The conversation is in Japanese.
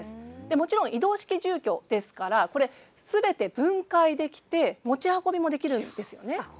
もちろん移動式住居ですからすべて分解できて持ち運びもできるんです。